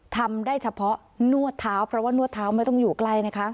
ทำได้เฉพาะนวดเท้าเพราะว่านวดเท้าไม่ต้องอยู่ใกล้นะคะ